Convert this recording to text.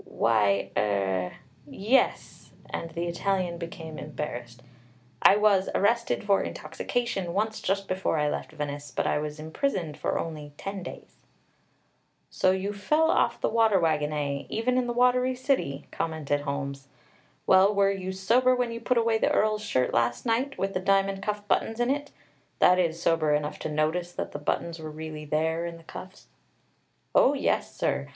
"Why, er, yes," and the Italian became embarrassed. "I was arrested for intoxication once just before I left Venice; but I was imprisoned for only ten days." "So you fell off the water wagon, eh, even in the watery city?" commented Holmes. "Well, were you sober when you put away the Earl's shirt last night, with the diamond cuff buttons in it, that is, sober enough to notice that the buttons were really there in the cuffs?" "Oh, yes, sir.